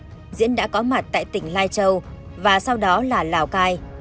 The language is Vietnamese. tổ tháng một mươi năm hai nghìn một mươi ba diễn đã có mặt tại tỉnh lai châu và sau đó là lào cai